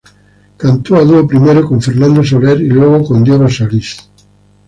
Cantó a dúo primero con Fernando Soler y luego con Diego Solís.